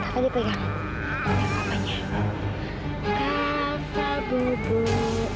sini kak fah dipegang